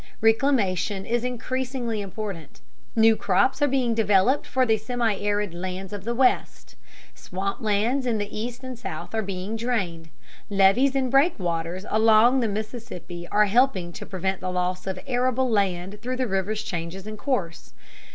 Reclamation is increasingly important. New crops are being developed for the semi arid areas of the West. Swamp lands in the East and South are being drained. Levees and breakwaters along the Mississippi are helping to prevent the loss of arable land through the river's changes in course.